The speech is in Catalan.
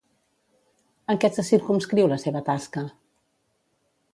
En què se circumscriu la seva tasca?